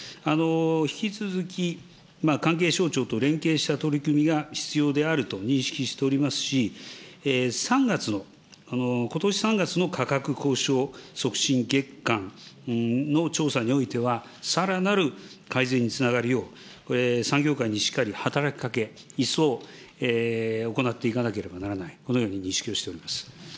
引き続き、関係省庁と連携した取り組みが必要であると認識しておりますし、３月の、ことし３月の価格交渉促進月間の調査においては、さらなる改善につながるよう、これ、産業界にしっかり働きかけ、一層行っていかなければならない、このように認識をしております。